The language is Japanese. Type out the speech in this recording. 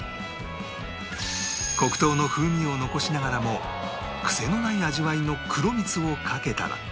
黒糖の風味を残しながらもクセのない味わいの黒蜜をかけたら